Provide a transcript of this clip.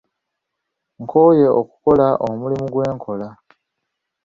Nkooye okukola omulimu gwe nkola.